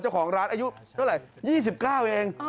เจ้าของร้านอายุเท่าไหร่๒๙เอง